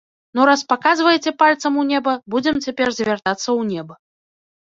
Ну, раз паказваеце пальцам у неба, будзем цяпер звяртацца ў неба.